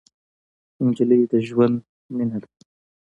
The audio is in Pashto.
نجلۍ د ژوند مینه ده.